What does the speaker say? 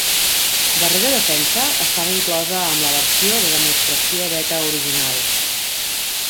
"Darrera Defensa" estava inclosa amb la versió de demostració beta original.